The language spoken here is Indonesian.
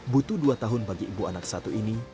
butuh dua tahun bagi ibu anak satu ini